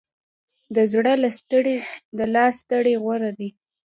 د زړه له ستړې، د لاس ستړې غوره ده.